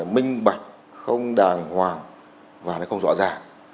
minh bạch không đàng hoàng và nó không rõ ràng